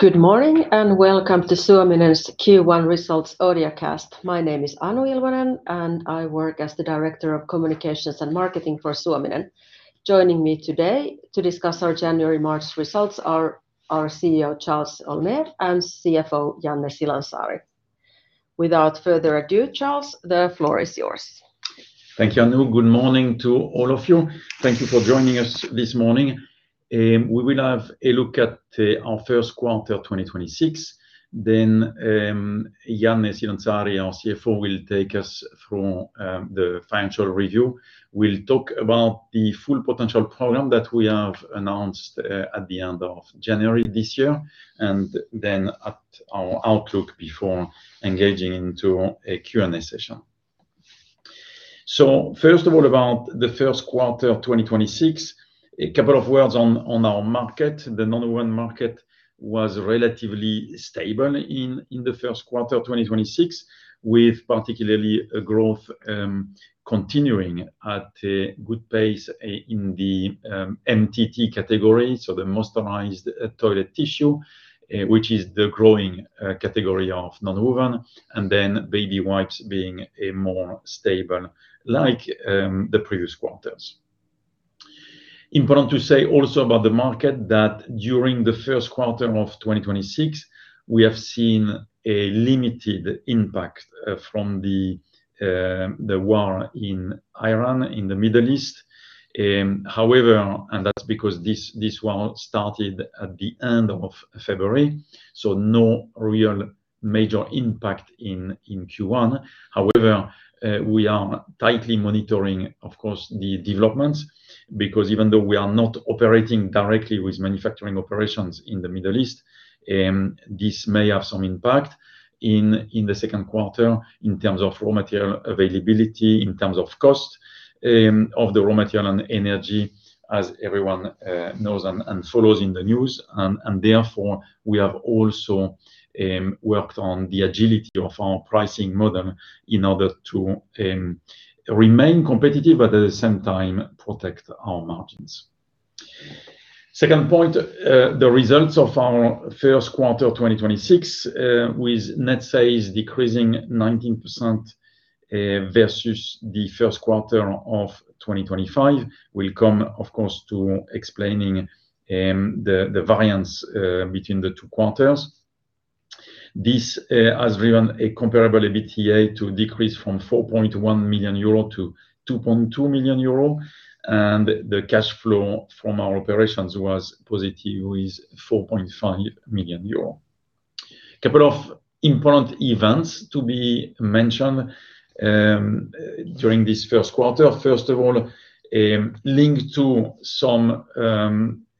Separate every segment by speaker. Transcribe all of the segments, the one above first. Speaker 1: Good morning, and welcome to Suominen's Q1 results audiocast. My name is Anu Ilvonen, and I work as the Director, Communications and Marketing for Suominen. Joining me today to discuss our January-March results are our CEO, Charles Héaulmé, and CFO, Janne Silonsaari. Without further ado, Charles, the floor is yours.
Speaker 2: Thank you, Anu. Good morning to all of you. Thank you for joining us this morning. We will have a look at our first quarter, 2026. Janne Silonsaari, our CFO, will take us through the financial review. We'll talk about the Full Potential Program that we have announced at the end of January this year, and then at our outlook before engaging into a Q&A session. First of all, about the first quarter, 2026, a couple of words on our market. The number one market was relatively stable in the first quarter, 2026, with particularly a growth continuing at a good pace in the MTT category, so the moisturized toilet tissue, which is the growing category of nonwoven and then baby wipes being a more stable like the previous quarters. Important to say also about the market that during the first quarter of 2026, we have seen a limited impact from the war in Iran, in the Middle East. However, that's because this war started at the end of February, so no real major impact in Q1. However, we are tightly monitoring, of course, the developments because even though we are not operating directly with manufacturing operations in the Middle East, this may have some impact in the second quarter in terms of raw material availability, in terms of cost of the raw material and energy as everyone knows and follows in the news. Therefore, we have also worked on the agility of our pricing model in order to remain competitive but at the same time protect our margins. Second point, the results of our first quarter 2026, with net sales decreasing 19% versus the first quarter of 2025. We'll come, of course, to explaining the variance between the two quarters. This has driven a comparable EBITDA to decrease from 4.1 million euro to 2.2 million euro, and the cash flow from our operations was positive with 4.5 million euro. Couple of important events to be mentioned during this first quarter. First of all, linked to some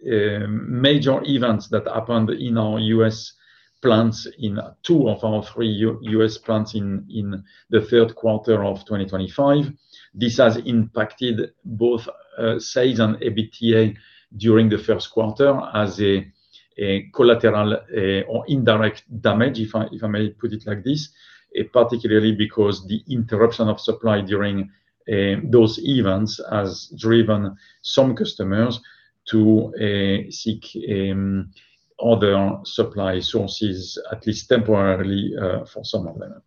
Speaker 2: major events that happened in our U.S. plants in two of our three U.S. plants in the third quarter of 2025. This has impacted both sales and EBITDA during the first quarter as a collateral or indirect damage, if I may put it like this, particularly because the interruption of supply during those events has driven some customers to seek other supply sources at least temporarily for some of them.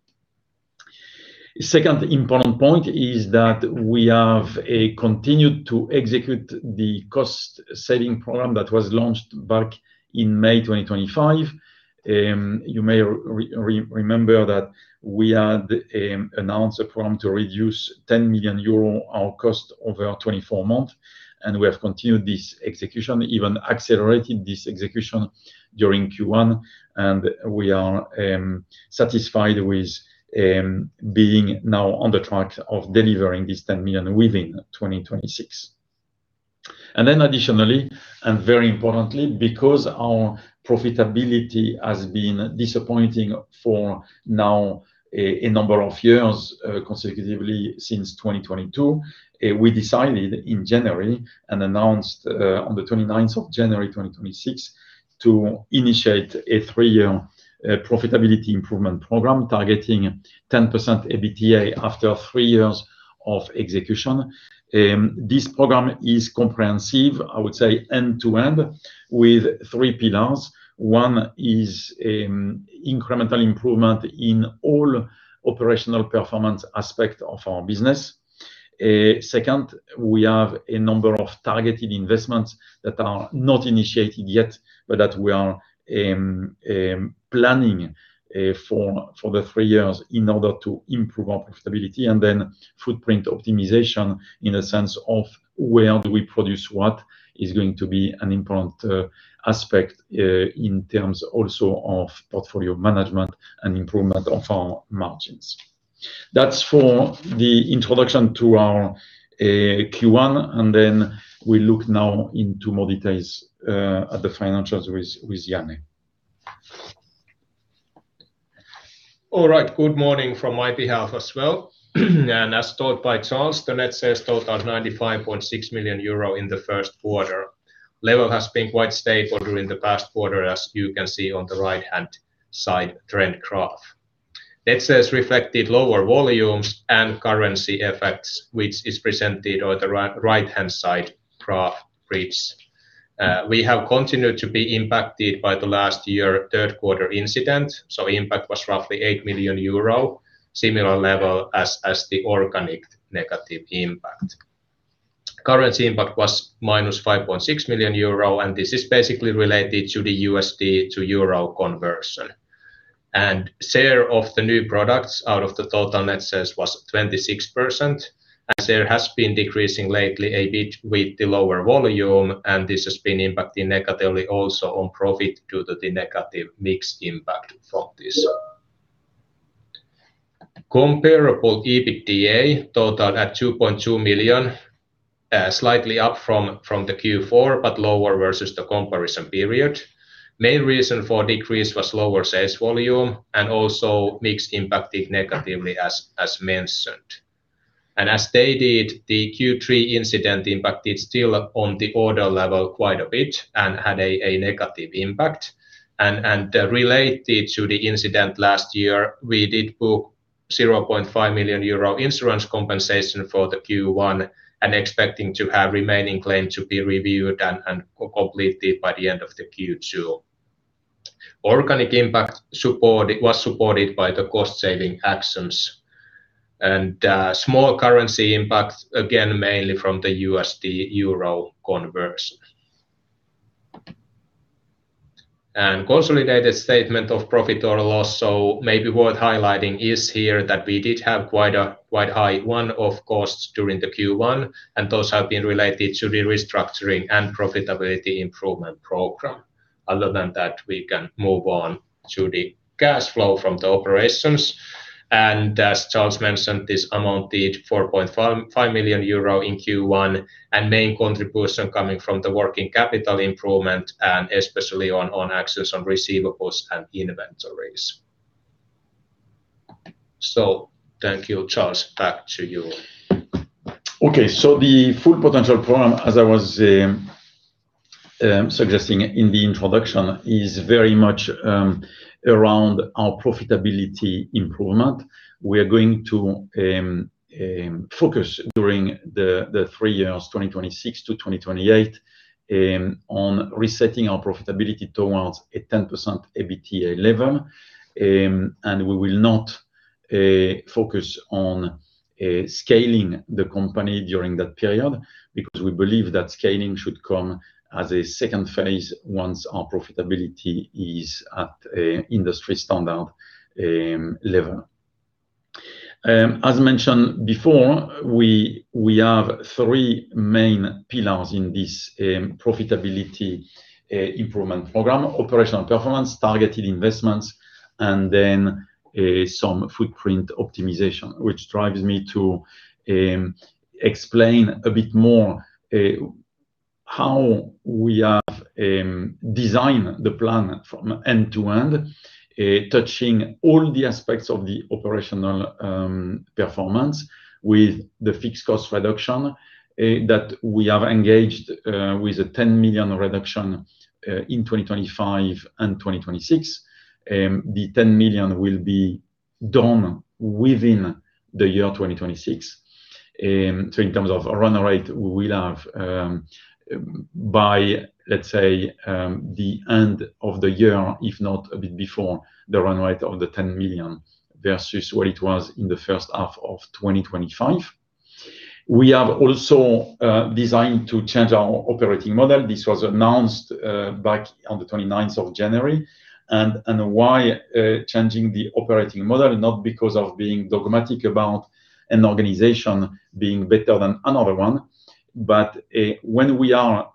Speaker 2: Second important point is that we have continued to execute the cost-saving program that was launched back in May 2025. You may remember that we had announced a program to reduce 10 million euros our cost over 24 month, and we have continued this execution, even accelerating this execution during Q1. We are satisfied with being now on the track of delivering this 10 million within 2026. Additionally, and very importantly, because our profitability has been disappointing for now a number of years, consecutively since 2022, we decided in January and announced on the 29th of January 2026 to initiate a three-year profitability improvement program targeting 10% EBITDA after three years of execution. This program is comprehensive, I would say end-to-end, with three pillars. One is incremental improvement in all operational performance aspect of our business. Second, we have a number of targeted investments that are not initiated yet, but that we are planning for the three years in order to improve our profitability. Footprint optimization in the sense of where do we produce what is going to be an important aspect in order also of portfolio management and improvement of our margins. That's for the introduction to our Q1. We look now into more details at the financials with Janne.
Speaker 3: Good morning from my behalf as well. As told by Charles, the net sales totaled 95.6 million euro in the first quarter. Level has been quite stable during the past quarter, as you can see on the right-hand side trend graph. Net sales reflected lower volumes and currency effects, which is presented on the right-hand side graph. We have continued to be impacted by the last year third quarter incident, impact was roughly 8 million euro, similar level as the organic negative impact. Currency impact was -5.6 million euro, this is basically related to the USD to EUR conversion. Share of the new products out of the total net sales was 26%, share has been decreasing lately a bit with the lower volume, this has been impacting negatively also on profit due to the negative mix impact from this. Comparable EBITDA totaled at 2.2 million, slightly up from the Q4 but lower versus the comparison period. Main reason for decrease was lower sales volume and also mix impacted negatively as mentioned. As stated, the Q3 incident impacted still on the order level quite a bit and had a negative impact. Related to the incident last year, we did book 0.5 million euro insurance compensation for the Q1 and expecting to have remaining claim to be reviewed and co-completed by the end of the Q2. Organic impact was supported by the cost saving actions. Small currency impact, again, mainly from the USD-EURO conversion. Consolidated statement of profit or loss. Maybe worth highlighting is here that we did have quite high one-off costs during the Q1, and those have been related to the restructuring and profitability improvement program. Other than that, we can move on to the cash flow from the operations. As Charles mentioned, this amounted 4.5 million euro in Q1, and main contribution coming from the working capital improvement and especially on actions on receivables and inventories. Thank you, Charles. Back to you.
Speaker 2: Okay. The Full Potential Program, as I was suggesting in the introduction, is very much around our profitability improvement. We are going to focus during the three years, 2026- 2028, on resetting our profitability towards a 10% EBITDA level. We will not focus on scaling the company during that period because we believe that scaling should come as a second phase once our profitability is at a industry standard level. As mentioned before, we have three main pillars in this profitability improvement program: operational performance, targeted investments, and some footprint optimization, which drives me to explain a bit more how we have designed the plan from end to end, touching all the aspects of the operational performance with the fixed cost reduction that we have engaged with a 10 million reduction in 2025 and 2026. The 10 million will be done within the year 2026. In terms of run rate, we will have by, let's say, the end of the year, if not a bit before the run rate of the 10 million versus where it was in the first half of 2025. We have also designed to change our operating model. This was announced back on the 29th of January. Why changing the operating model? Not because of being dogmatic about an organization being better than another one, but when we are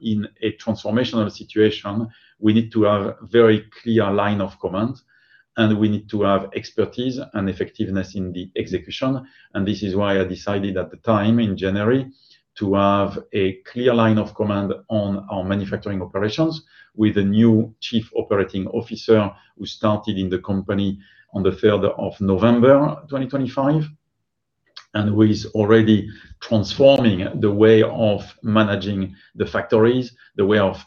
Speaker 2: in a transformational situation, we need to have very clear line of command, and we need to have expertise and effectiveness in the execution. This is why I decided at the time, in January, to have a clear line of command on our manufacturing operations with a new Chief Operating Officer who started in the company on the 3rd of November, 2025, and who is already transforming the way of managing the factories, the way of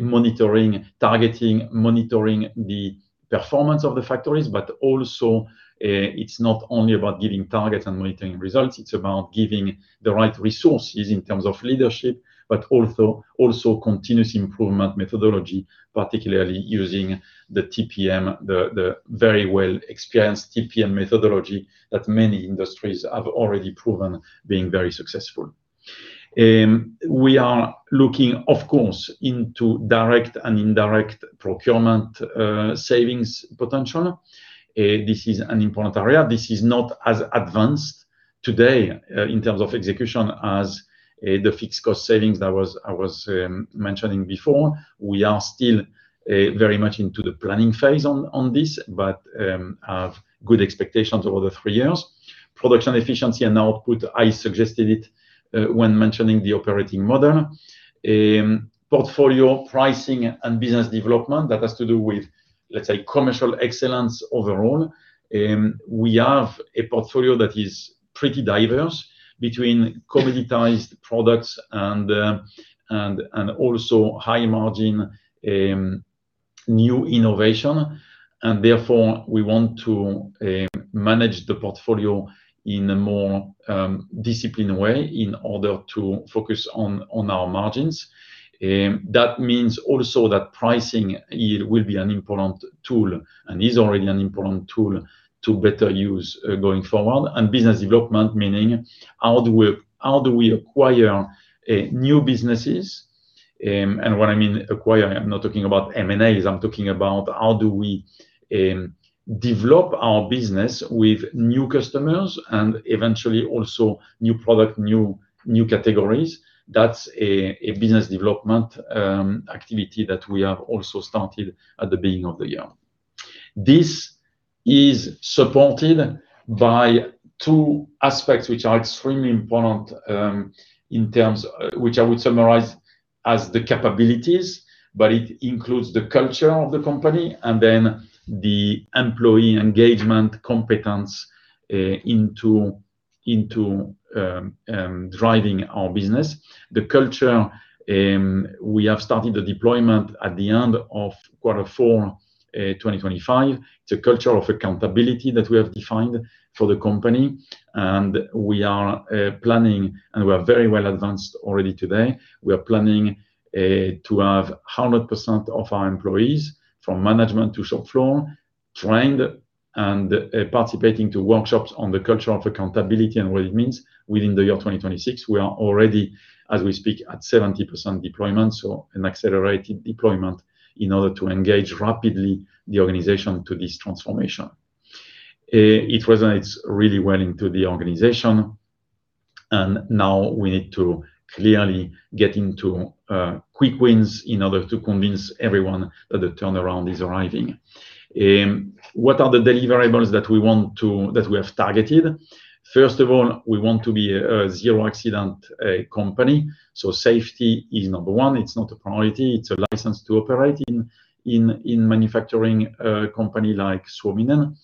Speaker 2: monitoring, targeting, monitoring the performance of the factories. Also, it's not only about giving targets and monitoring results, it's about giving the right resources in terms of leadership, but also continuous improvement methodology, particularly using the TPM, the very well experienced TPM methodology that many industries have already proven being very successful. We are looking, of course, into direct and indirect procurement, savings potential. This is an important area. This is not as advanced today in terms of execution as the fixed cost savings I was mentioning before. We are still very much into the planning phase on this, but have good expectations over the three years. Production efficiency and output, I suggested it when mentioning the operating model. Portfolio pricing and business development, that has to do with, let's say, commercial excellence overall. We have a portfolio that is pretty diverse between commoditized products and also high margin, new innovation, and therefore we want to manage the portfolio in a more disciplined way in order to focus on our margins. That means also that pricing it will be an important tool and is already an important tool to better use going forward. Business development, meaning how do we, how do we acquire new businesses? When I mean acquire, I'm not talking about M&As. I'm talking about how do we develop our business with new customers and eventually also new product, new categories. That's a business development activity that we have also started at the beginning of the year. This is supported by two aspects which are extremely important, which I would summarize as the capabilities, but it includes the culture of the company and then the employee engagement competence into driving our business. The culture, we have started the deployment at the end of quarter four 2025. It's a culture of accountability that we have defined for the company, and we are planning, and we are very well advanced already today. We are planning to have 100% of our employees from management to shop floor trained and participating to workshops on the culture of accountability and what it means within the year 2026. We are already, as we speak, at 70% deployment, so an accelerated deployment in order to engage rapidly the organization to this transformation. It resonates really well into the organization, and now we need to clearly get into quick wins in order to convince everyone that the turnaround is arriving. What are the deliverables that we have targeted? First of all, we want to be a zero accident company. Safety is number one. It's not a priority. It's a license to operate in manufacturing a company like Suominen.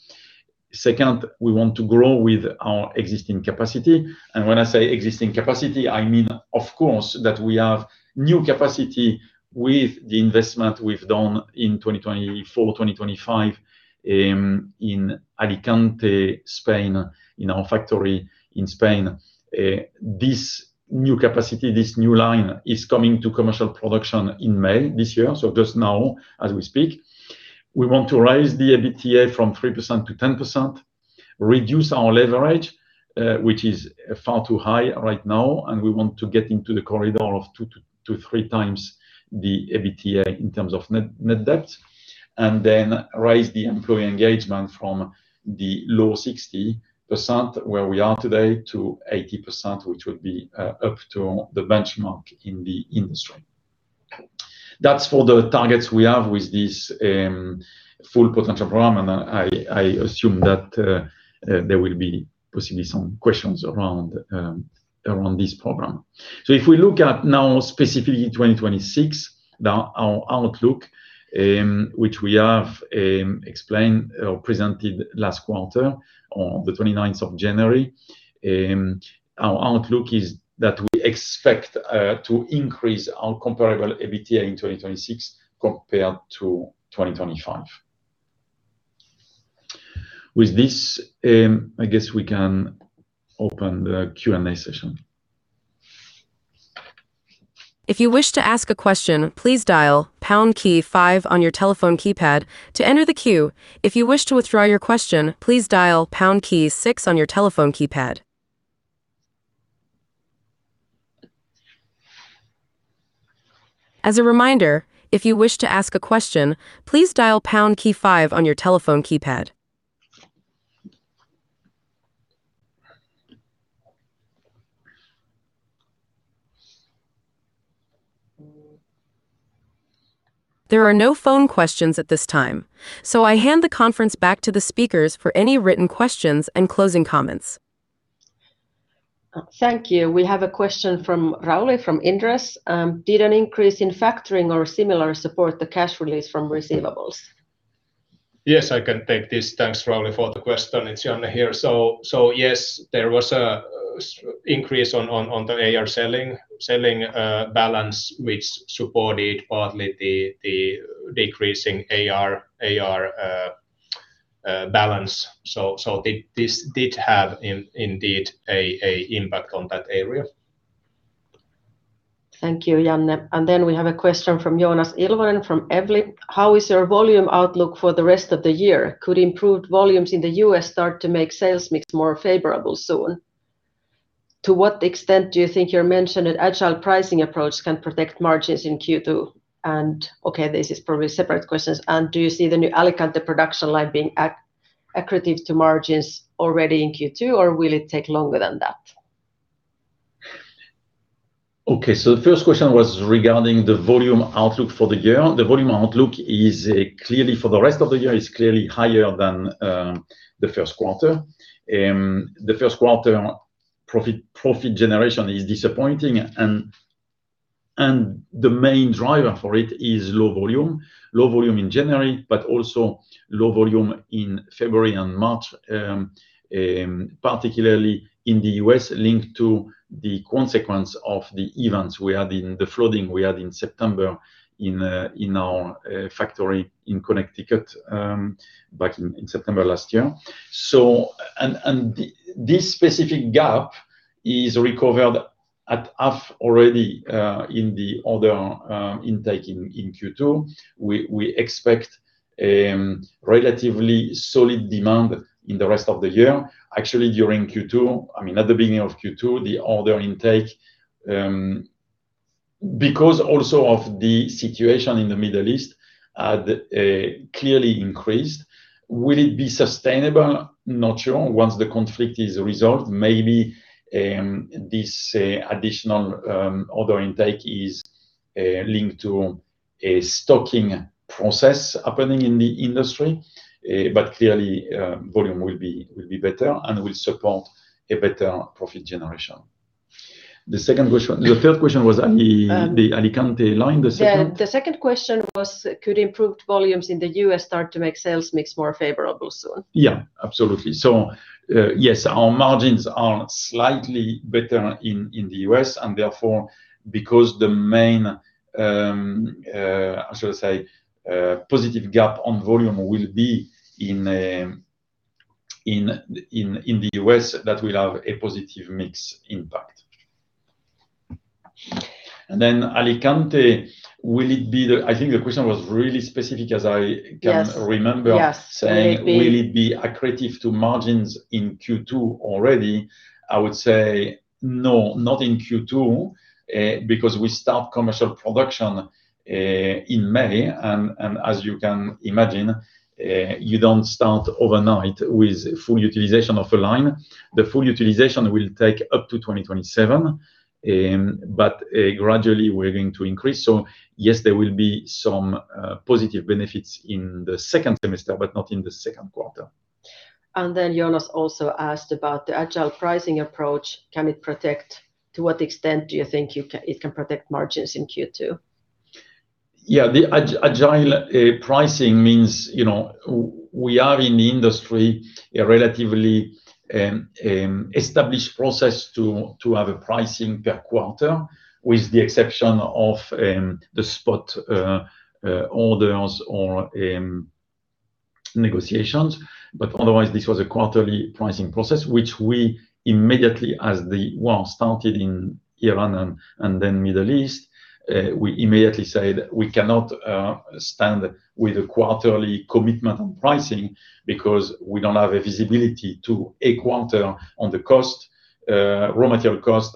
Speaker 2: Second, we want to grow with our existing capacity. When I say existing capacity, I mean, of course, that we have new capacity with the investment we've done in 2024, 2025, in Alicante, Spain, in our factory in Spain. This new capacity, this new line is coming to commercial production in May this year, so just now as we speak. We want to raise the EBITDA from 3% to 10%, reduce our leverage, which is far too high right now, and we want to get into the corridor of 2x - 2.3x the EBITDA in terms of net debt, and then raise the employee engagement from the low 60%, where we are today, to 80%, which would be up to the benchmark in the industry. That's for the targets we have with this Full Potential Program. I assume that there will be possibly some questions around this program. If we look at now specifically 2026, our outlook, which we have explained or presented last quarter on the 29th of January, our outlook is that we expect to increase our comparable EBITDA in 2026 compared to 2025. With this, I guess we can open the Q&A session.
Speaker 4: If you wish to ask a question please dial pound key five on your telephone keypad to enter the cue if you wish to withdraw your question please dial pound key six on your keypad. As a reminder if you wish to ask a question please dial pound key five on your telephone keypad. There are no phone questions at this time. I hand the conference back to the speakers for any written questions and closing comments.
Speaker 1: Thank you. We have a question from Rauli from Inderes. Did an increase in factoring or similar support the cash release from receivables?
Speaker 3: Yes, I can take this. Thanks, Rauli, for the question. It's Janne here. Yes, there was a increase on the AR selling balance, which supported partly the decreasing AR balance. This did have indeed a impact on that area.
Speaker 1: Thank you, Janne. Then we have a question from Joonas Ilvonen from Evli. How is your volume outlook for the rest of the year? Could improved volumes in the U.S. start to make sales mix more favorable soon? To what extent do you think your mentioned agile pricing approach can protect margins in Q2? This is probably separate questions. Do you see the new Alicante production line being accretive to margins already in Q2, or will it take longer than that?
Speaker 2: The first question was regarding the volume outlook for the year. The volume outlook for the rest of the year is clearly higher than the first quarter. The first quarter profit generation is disappointing. The main driver for it is low volume. Low volume in January, but also low volume in February and March, particularly in the U.S. linked to the consequence of the events we had, the flooding we had in September in our factory in Connecticut, back in September last year. This specific gap is recovered at half already in the order intake in Q2. We expect relatively solid demand in the rest of the year. Actually, during Q2, I mean, at the beginning of Q2, the order intake, because also of the situation in the Middle East, clearly increased. Will it be sustainable? Not sure. Once the conflict is resolved, maybe, this additional order intake is linked to a stocking process happening in the industry. Clearly, volume will be better and will support a better profit generation. The third question was on the-
Speaker 1: Um-
Speaker 2: The Alicante Line, the second?
Speaker 1: Yeah. The second question was, could improved volumes in the U.S. start to make sales mix more favorable soon?
Speaker 2: Absolutely. Yes, our margins are slightly better in the U.S. and therefore, because the main positive gap on volume will be in the U.S., that will have a positive mix impact. Alicante, will it be? I think the question was really specific.
Speaker 1: Yes
Speaker 2: can remember.
Speaker 1: Yes. Will it be-
Speaker 2: Saying, will it be accretive to margins in Q2 already? I would say no, not in Q2, because we start commercial production in May. As you can imagine, you don't start overnight with full utilization of a line. The full utilization will take up to 2027. Gradually we're going to increase. Yes, there will be some positive benefits in the second semester, but not in the second quarter.
Speaker 1: Jonas also asked about the agile pricing approach. To what extent do you think it can protect margins in Q2?
Speaker 2: Yeah. The agile pricing means, you know, we are in the industry a relatively established process to have a pricing per quarter, with the exception of the spot orders or negotiations. Otherwise, this was a quarterly pricing process, which we immediately, well, started in Iran and then Middle East. We immediately said we cannot stand with a quarterly commitment on pricing because we don't have a visibility to a quarter on the cost, raw material cost,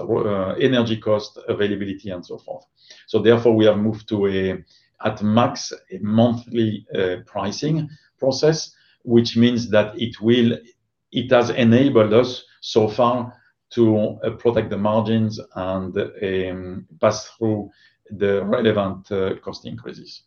Speaker 2: energy cost, availability, and so forth. Therefore, we have moved to a, at max, a monthly pricing process, which means that it has enabled us so far to protect the margins and pass through the relevant cost increases.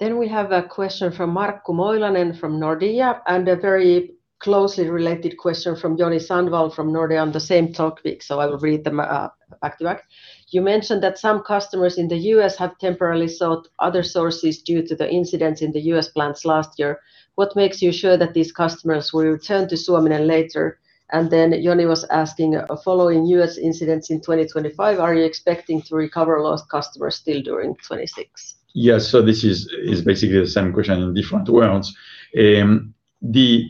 Speaker 1: We have a question from Markku Moilanen from Nordea, and a very closely related question from Joni Sandvall from Nordea on the same topic, so I will read them back to back. You mentioned that some customers in the U.S. have temporarily sought other sources due to the incidents in the U.S. plants last year. What makes you sure that these customers will return to Suominen later? Joni was asking, following U.S. incidents in 2025, are you expecting to recover lost customers still during 2026?
Speaker 2: Yes. This is basically the same question in different words. The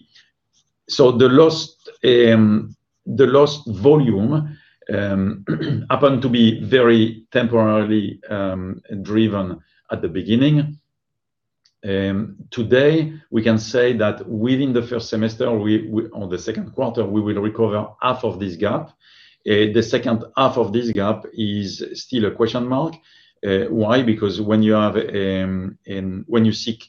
Speaker 2: lost volume happened to be very temporarily driven at the beginning. Today, we can say that within the first semester, or the second quarter, we will recover half of this gap. The second half of this gap is still a question mark. Why? Because when you have, when you seek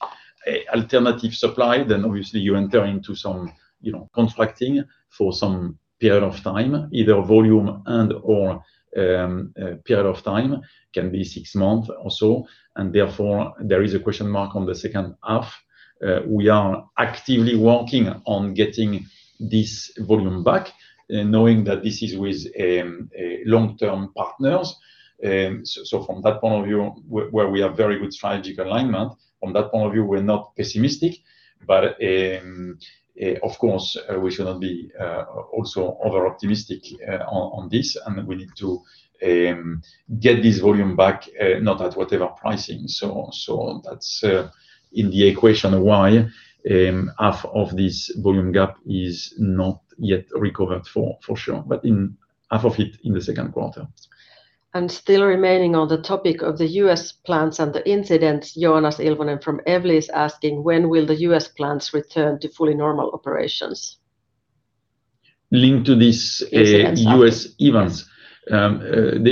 Speaker 2: an alternative supply, obviously you enter into some, you know, contracting for some period of time, either volume and/or a period of time, can be six months or so. Therefore, there is a question mark on the second half. We are actively working on getting this volume back, knowing that this is with long-term partners. So from that point of view, where we have very good strategic alignment, from that point of view, we are not pessimistic. Of course, we should not be also over-optimistic on this. We need to get this volume back, not at whatever pricing. That is in the equation why half of this volume gap is not yet recovered for sure, but in half of it in the second quarter.
Speaker 1: Still remaining on the topic of the U.S. plants and the incidents, Joonas Ilvonen from Evli is asking, when will the U.S. plants return to fully normal operations?
Speaker 2: Linked to this-
Speaker 1: Incidents, yeah.
Speaker 2: U.S. events,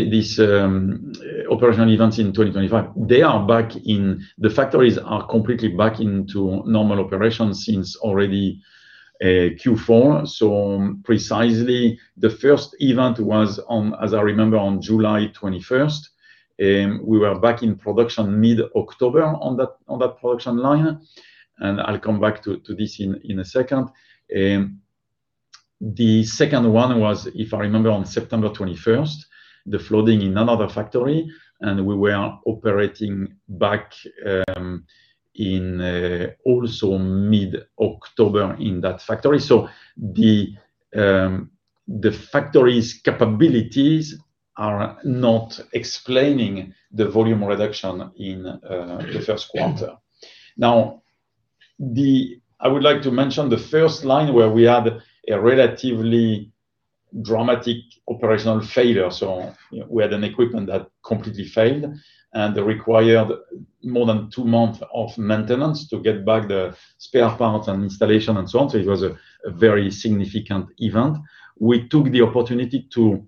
Speaker 2: these operational events in 2025, they are back in the factories are completely back into normal operations since already Q4. Precisely the first event was on, as I remember, on July 21st. We were back in production mid-October on that production line. I'll come back to this in a second. The second one was, if I remember, on September 21st, the flooding in another factory, and we were operating back, also mid-October in that factory. The factory's capabilities are not explaining the volume reduction in the first quarter. Now, I would like to mention the first line where we had a relatively dramatic operational failure. We had an equipment that completely failed and required more than two months of maintenance to get back the spare parts and installation and so on. It was a very significant event. We took the opportunity to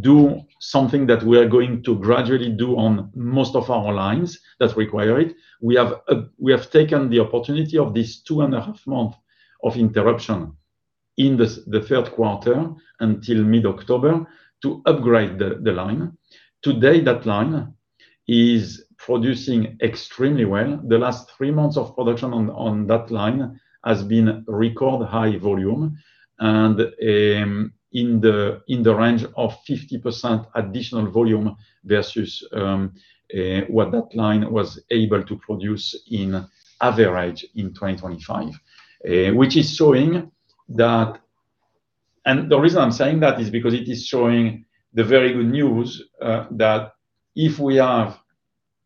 Speaker 2: do something that we are going to gradually do on most of our lines that require it. We have taken the opportunity of this two and a half months of interruption in the third quarter until mid-October to upgrade the line. Today, that line is producing extremely well. The last three months of production on that line has been record high volume and in the range of 50% additional volume versus what that line was able to produce in average in 2025. The reason I'm saying that is because it is showing the very good news that if we have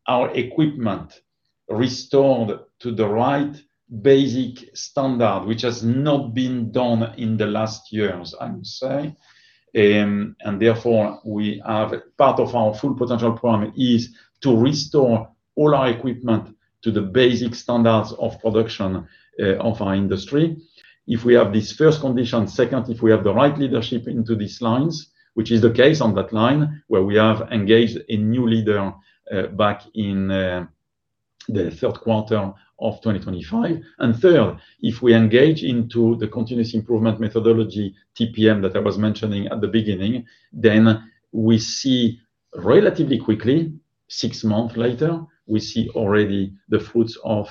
Speaker 2: our equipment restored to the right basic standard, which has not been done in the last years, I would say, and therefore we have part of our Full Potential Program is to restore all our equipment to the basic standards of production of our industry. If we have this first condition, second, if we have the right leadership into these lines, which is the case on that line where we have engaged a new leader back in the third quarter of 2025. Third, if we engage into the continuous improvement methodology, TPM, that I was mentioning at the beginning, then we see relatively quickly, six months later, we see already the fruits of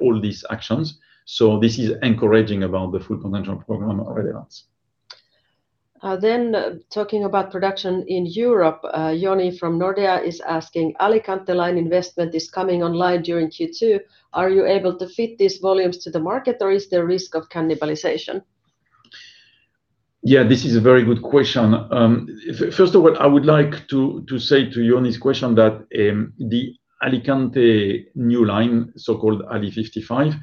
Speaker 2: all these actions. This is encouraging about the Full Potential Program relevance.
Speaker 1: Talking about production in Europe, Joni from Nordea is asking, Alicante line investment is coming online during Q2, are you able to fit these volumes to the market, or is there risk of cannibalization?
Speaker 2: Yeah, this is a very good question. First of all, I would like to say to Joni's question that the Alicante new line, so-called Ali 55,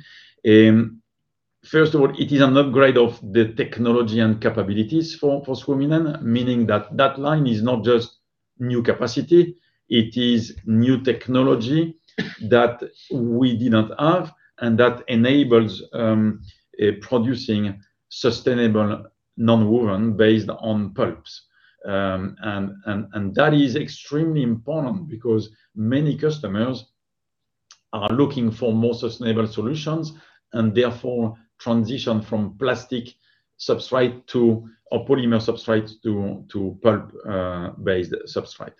Speaker 2: first of all, it is an upgrade of the technology and capabilities for Suominen, meaning that that line is not just new capacity, it is new technology that we did not have and that enables producing sustainable nonwoven based on pulps. That is extremely important because many customers are looking for more sustainable solutions and therefore transition from plastic substrate or polymer substrate to pulp based substrate.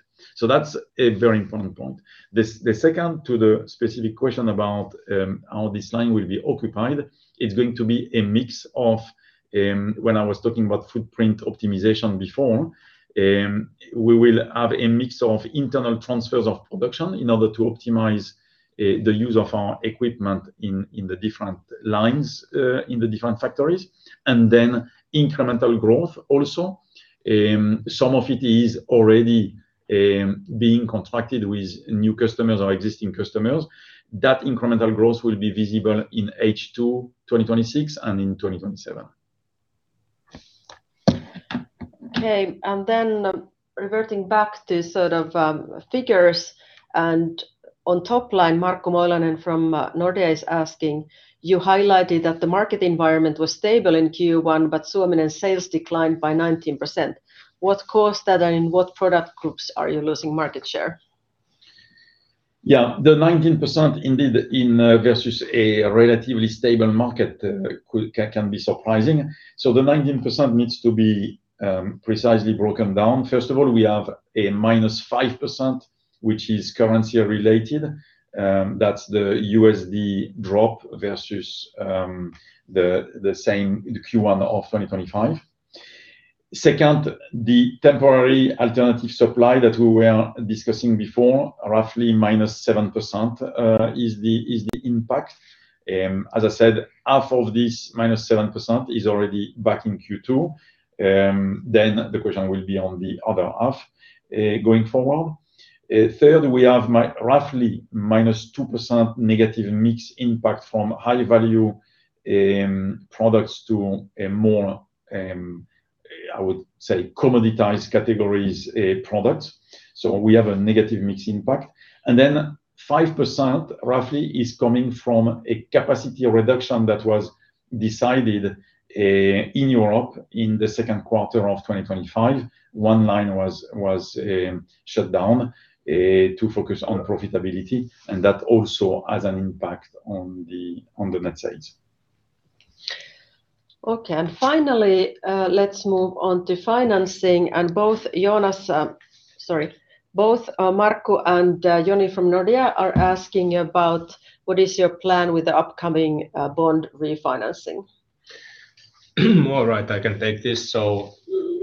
Speaker 2: That's a very important point. The second to the specific question about how this line will be occupied, it's going to be a mix of, when I was talking about footprint optimization before, we will have a mix of internal transfers of production in order to optimize the use of our equipment in the different lines, in the different factories, and then incremental growth also. Some of it is already being contracted with new customers or existing customers. That incremental growth will be visible in H2 2026 and in 2027.
Speaker 1: Okay. Reverting back to sort of, figures and on top line, Markku Moilanen from Nordea is asking, you highlighted that the market environment was stable in Q1, but Suominen sales declined by 19%. What caused that? And in what product groups are you losing market share?
Speaker 2: The 19% indeed in versus a relatively stable market can be surprising. The 19% needs to be precisely broken down. First of all, we have a -5%, which is currency related. That's the USD drop versus the same Q1 of 2025. Second, the temporary alternative supply that we were discussing before, roughly -7%, is the impact. As I said, half of this -7% is already back in Q2. The question will be on the other half going forward. Third, we have roughly -2% negative mix impact from high value products to a more, I would say commoditized categories, products. We have a negative mix impact. 5% roughly is coming from a capacity reduction that was decided in Europe in the second quarter of 2025. One line was shut down to focus on profitability, and that also has an impact on the net sales.
Speaker 1: Okay. Finally, let's move on to financing. Both Markku and Joni from Nordea are asking about what is your plan with the upcoming bond refinancing?
Speaker 3: All right, I can take this.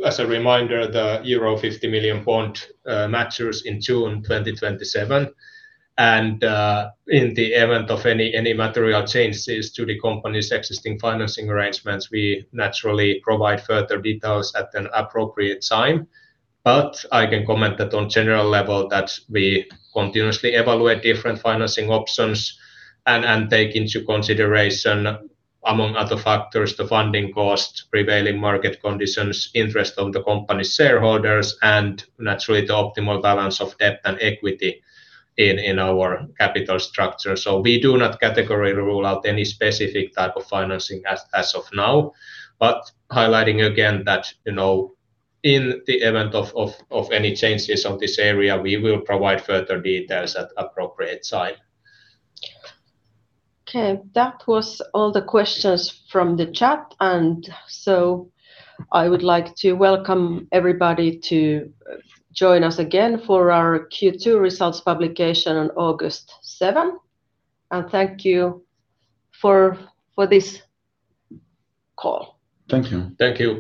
Speaker 3: As a reminder, the euro 50 million bond matures in June 2027. In the event of any material changes to the company's existing financing arrangements, we naturally provide further details at an appropriate time. I can comment that on general level that we continuously evaluate different financing options and take into consideration, among other factors, the funding costs, prevailing market conditions, interest of the company shareholders, and naturally, the optimal balance of debt and equity in our capital structure. We do not categorically rule out any specific type of financing as of now. Highlighting again that, you know, in the event of any changes on this area, we will provide further details at appropriate time.
Speaker 1: Okay. That was all the questions from the chat. I would like to welcome everybody to join us again for our Q2 results publication on 7th August. Thank you for this call.
Speaker 2: Thank you.
Speaker 3: Thank you.